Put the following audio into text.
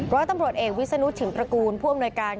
ร้อยตำรวจเอกวิศนุถึงตระกูลผู้อำนวยการ